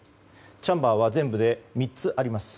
チャンバーは全部で３つあります。